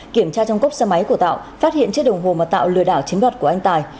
kiểm tra trong cốc xe máy của tạo phát hiện chiếc đồng hồ mà tạo lừa đảo chiếm đoạt của anh tài